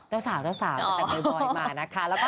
เจ้าสาวแต่บ่อยมานะคะ